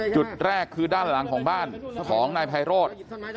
จุดแรกคือด้านหลังของบ้านของนายไพโรธ